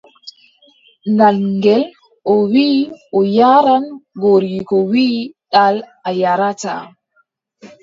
Ɗal ngel, o wii o yaaran, goriiko wii : ɗal a yaarataa.